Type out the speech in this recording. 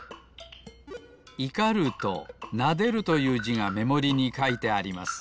「怒る」と「撫でる」というじがめもりにかいてあります。